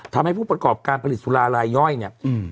ทำให้ผู้ประกอบการผลิตสุราลายย่อยเนี้ยอืม